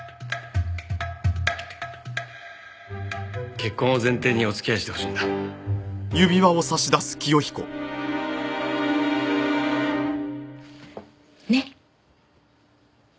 結婚を前提にお付き合いしてほしいんだ。ね！